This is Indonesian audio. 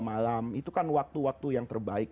malam itu kan waktu waktu yang terbaik